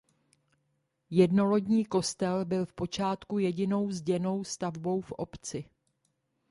Jednolodní kostel byl v počátku jedinou zděnou stavbou v obci.